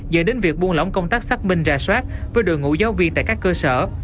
dẫn đến việc buôn lỏng công tác xác minh ra soát với đội ngũ giáo viên tại các cơ sở